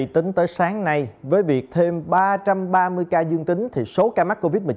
tính tới sáng nay với việc thêm ba trăm ba mươi ca dương tính thì số ca mắc covid một mươi chín